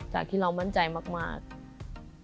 จากที่เรามั่นใจมากกว่านี้